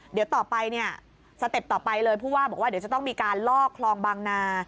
เดี๋ยวต่อไปเนี่ยสเต็ปต่อไปเลยผู้ว่าบอกว่าเดี๋ยวจะต้องมีการลอกคลองบางนา